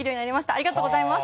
ありがとうございます。